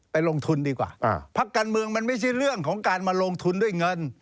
ลงทุนดีกว่าพักการเมืองมันไม่ใช่เรื่องของการมาลงทุนด้วยเงิน